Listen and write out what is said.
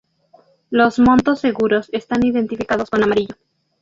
Los "montos seguros" están identificados con amarillo.